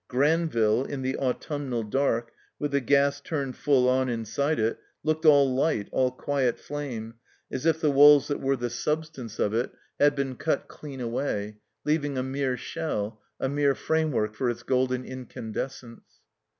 Granville in the autumnal dark, with the gas turned full on inside it, looked all light, all quiet flame, as if the walls that were the substance of it 232 thetCombined maze had been cut^xdean away, leaving a mere shell, a mere framework for its golden incandescence.